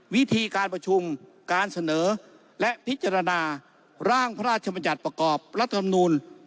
วิธีการประชุมการเสนอและพิจารณาร่างพระราชบัญญัติประกอบรัฐธรรมนูล